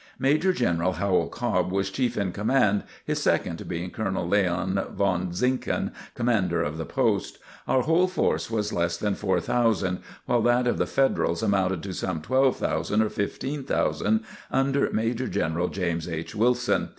Major General Howell Cobb was chief in command, his second being Colonel Leon Von Zinken, Commander of the post. Our whole force was less than 4,000, while that of the Federals amounted to some 12,000 or 15,000, under Major General James H. Wilson.